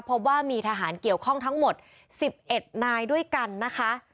พบว่ามีทหารเกี่ยวข้องทั้งหมด๑๑นายด้วยกันนะคะ